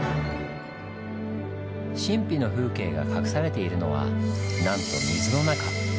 神秘の風景が隠されているのはなんと水の中。